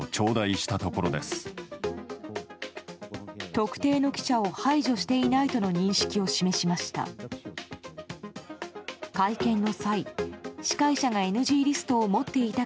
特定の記者を排除していないとの認識を示しました。